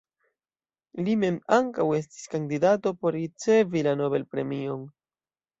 Li mem ankaŭ estis kandidato por ricevi la Nobel-premion.